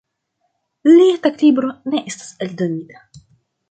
Lia taglibro ne estas eldonita.